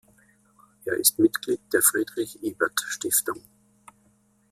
Er ist Mitglied der Friedrich-Ebert-Stiftung.